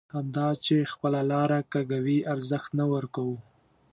همدا چې خپله لاره کږوي ارزښت نه ورکوو.